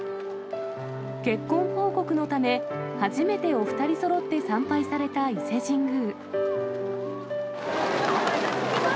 結婚報告のため、初めてお２人そろって参拝された伊勢神宮。